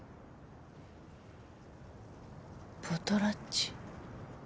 ポトラッチ。